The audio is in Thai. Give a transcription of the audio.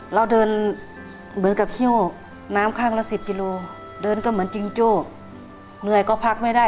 เราเดินเหมือนกับหิ้วน้ำข้างละสิบกิโลเดินก็เหมือนจิงโจ้เหนื่อยก็พักไม่ได้